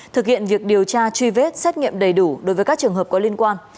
thực hiện việc điều tra truy vết xét nghiệm đầy đủ đối với các trường hợp có liên quan